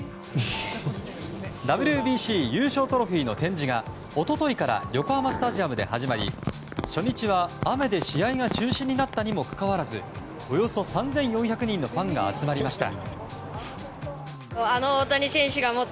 ＷＢＣ優勝トロフィーの展示が一昨日から横浜スタジアムで始まり初日は雨で試合が中止になったにもかかわらずおよそ３４００人のファンが集まりました。